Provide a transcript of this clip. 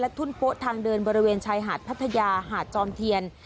ทุ่นโป๊ะทางเดินบริเวณชายหาดพัทยาหาดจอมเทียน